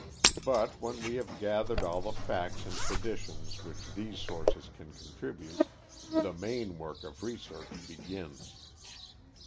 But when we have gathered all the facts and traditions which these sources can contribute, the main work of research begins.